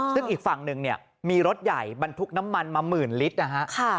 ซึ่งอีกฝั่งหนึ่งเนี่ยมีรถใหญ่บรรทุกน้ำมันมาหมื่นลิตรนะฮะ